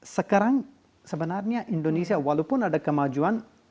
sekarang sebenarnya indonesia walaupun ada kemajuan